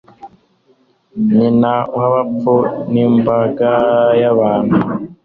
Nyina wabapfu nimbaga yabantu